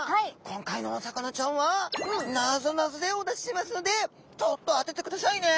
今回のお魚ちゃんはなぞなぞでお出ししますのでちょっと当ててくださいね。